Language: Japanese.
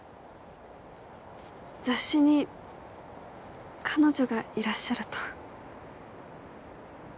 雑誌に彼女がいらっしゃると。